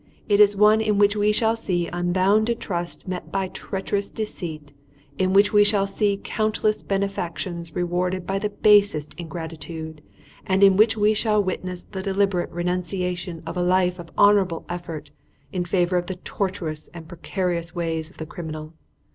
It is one in which we shall see unbounded trust met by treacherous deceit, in which we shall see countless benefactions rewarded by the basest ingratitude, and in which we shall witness the deliberate renunciation of a life of honourable effort in favour of the tortuous and precarious ways of the criminal.